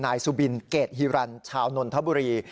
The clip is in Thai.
นายสุบินเกรดฮิรันชาวนนทบุรี